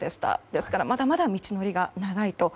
ですからまだまだ道のりは長いと。